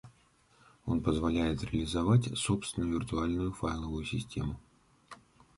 Он позволяет реализовать собственную виртуальную файловую систему